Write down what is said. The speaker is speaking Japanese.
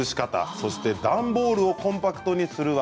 そして段ボールをコンパクトにする技。